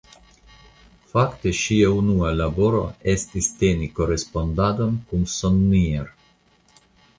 Fakte ŝia unua laboro estis teni korespondadon kun Sonnier.